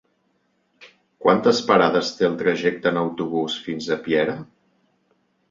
Quantes parades té el trajecte en autobús fins a Piera?